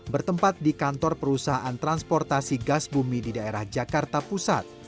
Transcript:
bertempat di kantor perusahaan transportasi gas bumi di daerah jakarta pusat